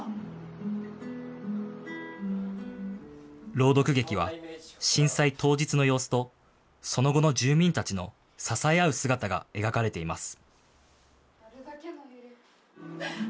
朗読劇は震災当日の様子と、その後の住民たちの支え合う姿が描かれています。